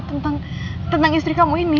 tentang istri kamu ini